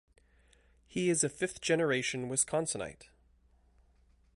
He is a fifth-generation Wisconsinite.